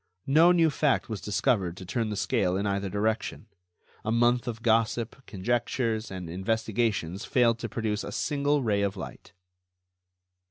No new fact was discovered to turn the scale in either direction. A month of gossip, conjectures and investigations failed to produce a single ray of light.